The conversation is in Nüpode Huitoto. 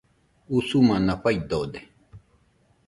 Usumana faidode